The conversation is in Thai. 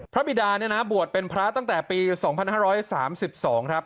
พระบิดาเนี่ยนะบวชเป็นพระตั้งแต่ปีสองพันห้าร้อยสามสิบสองครับ